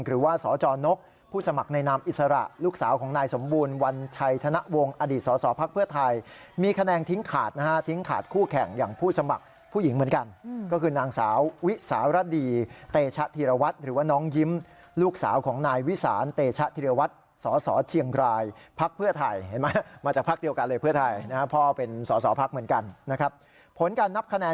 หรือว่าสจนกผู้สมัครในนามอิสระลูกสาวของนายสมบูรณ์วัญชัยธนวงอดีตสสภภภภภภภภภภภภภภภภภภภภภภภภภภภภภภภภภภภภภภภภภภภภภภภภภภภ